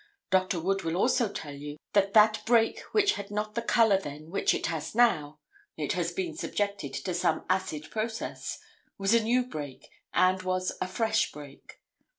Dr. Wood will also tell you that that break which had not the color then which it has now—it has been subjected to some acid process—was a new break and was a fresh break.